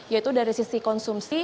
yaitu dari sisi konsumsi